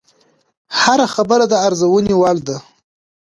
هره خبره د ارزونې وړ ده